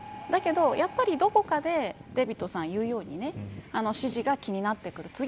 だけどやはりどこかでデービッドさんが言うように支持が気になってくる。